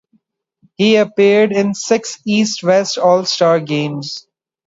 He appeared in six East-West All-Star Games.